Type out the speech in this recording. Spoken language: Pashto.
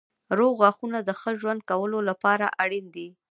روغ غاښونه د ښه ژوند کولو لپاره اړین دي.